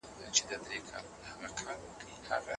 په دفترونو کي باید د مراجعینو لپاره د تګ راتګ لاري خلاصې وي.